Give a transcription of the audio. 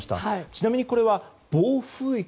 ちなみに、これは暴風域？